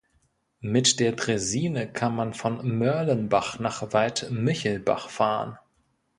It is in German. Mit der Draisine kann man von Mörlenbach nach Wald-Michelbach fahren.